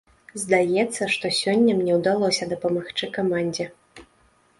Здаецца, што сёння мне ўдалося дапамагчы камандзе.